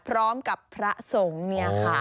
พร้อมกับพระสงฆ์เนี่ยค่ะ